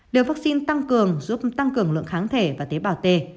liều vắc xin tăng cường giúp tăng cường lượng kháng thể và tế bào t